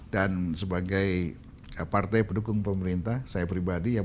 dan sebagai partai pendukung pemerintah saya pribadi